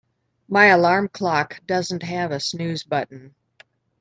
My alarm clock doesn't have a snooze button.